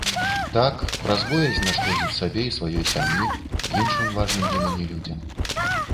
Так, праз боязь нашкодзіць сабе і сваёй сям'і, іншым важным для мяне людзям.